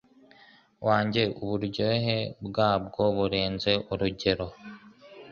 wanjye uburyohe bwabwo burenze urugero